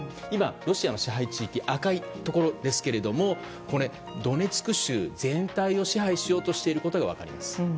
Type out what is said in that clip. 今、ロシアの支配地域は赤いところですがドネツク州全体を支配しようとしていることが分かります。